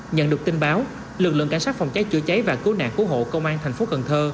nhận được tin báo lực lượng cảnh sát phòng cháy chữa cháy và cứu nạn cứu hộ công an thành phố cần thơ